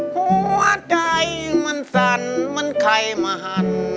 หัวใจมันสั่นเหมือนใครมาหัน